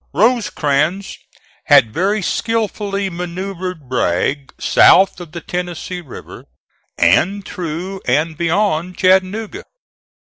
Rosecrans had very skilfully manoeuvred Bragg south of the Tennessee River, and through and beyond Chattanooga.